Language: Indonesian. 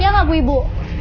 iya mbak bu ibu